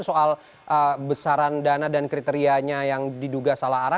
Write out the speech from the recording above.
soal besaran dana dan kriterianya yang diduga salah arah